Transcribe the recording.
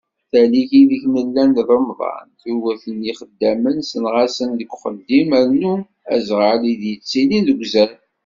Tallit ideg i nella d Remḍan, tuget n yixeddamen senɣasen seg uxeddim, rnu azɣal i d-yettilin deg uzal.